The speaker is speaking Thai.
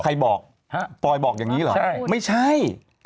ใครบอกปลอยบอกอย่างนี้เหรอใช่